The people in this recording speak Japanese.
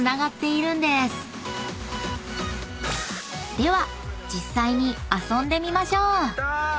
［では実際に遊んでみましょう］きた！